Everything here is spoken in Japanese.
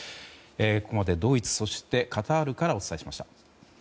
ここまでドイツ、カタールからお伝えしました。